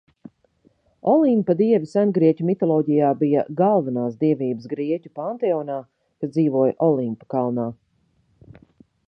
Olimpa dievi sengrieķu mitoloģijā bija galvenās dievības grieķu panteonā, kas dzīvoja Olimpa kalnā.